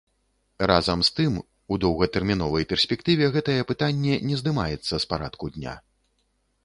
Разам з тым, у доўгатэрміновай перспектыве гэтае пытанне не здымаецца з парадку дня.